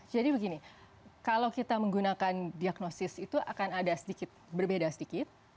jadi begini kalau kita menggunakan diagnosis itu akan ada sedikit berbeda sedikit